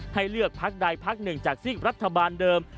ให้เลือกพักใดพักหนึ่งจากซีกรัฐบาลเดิม